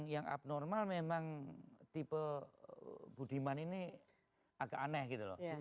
yang abnormal memang tipe budiman ini agak aneh gitu loh